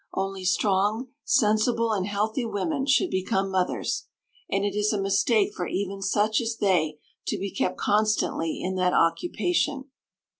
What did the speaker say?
Only strong, sensible, and healthy women should become mothers, and it is a mistake for even such as they to be kept constantly in that occupation.